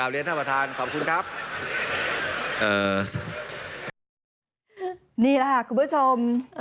นี่เลยครับคุณผู้ชม